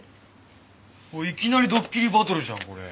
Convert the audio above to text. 『いきなりどっきりバトル』じゃんこれ。